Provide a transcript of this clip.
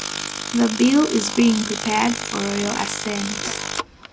The Bill is being prepared for royal assent.